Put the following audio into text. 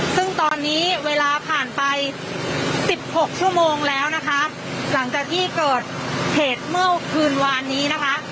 ซึ่งตอนนี้เวลาผ่านไปสิบหกชั่วโมงแล้วนะคะหลังจากที่เกิดเหตุเมื่อคืนวานนี้นะคะ